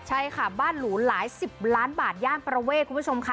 ใช่ค่ะบ้านหรูหลายสิบล้านบาทย่านประเวทคุณผู้ชมค่ะ